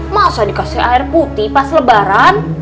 masa dikasih air putih pas lebaran